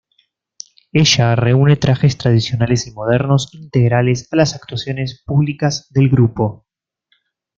Ella reúne trajes tradicionales y modernos integrales a las actuaciones públicas del grupo.